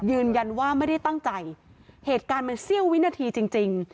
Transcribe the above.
ยืนยันว่าไม่ได้ตั้งใจเหตุการณ์มันเสี้ยววินาทีจริงจริง